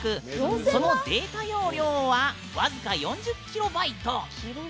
そのデータ容量は僅か４０キロバイト。